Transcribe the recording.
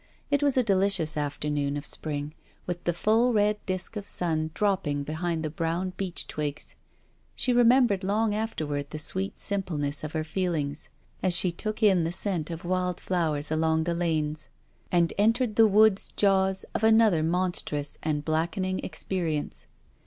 It was a delicious afternoon of Spring, with the full red disk of sun dropping behind the brown beech twigs. She remembered long afterward the sweet simpleness of her feelings as she took in the scent of wild flowers along the lanes and entered the woods jaws of another monstrous and blackening experience.